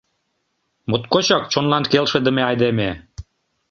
Моткочак чонлан келшыдыме айдеме.